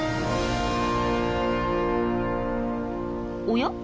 おや？